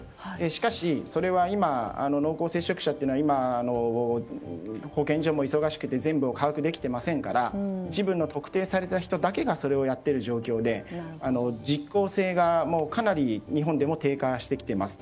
しかし、濃厚接触者は今保健所も忙しくて全部を把握できていませんから一部の特定された人がそれをやっている状況で実行性がかなり日本でも低下してきています。